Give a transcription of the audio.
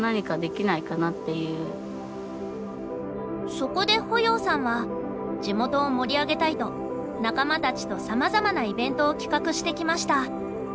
そこで保要さんは地元を盛り上げたいと仲間たちとさまざまなイベントを企画してきました。